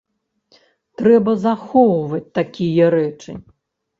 Трэба захоўваць такія рэчы.